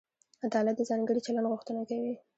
عدالت د ځانګړي چلند غوښتنه کوي.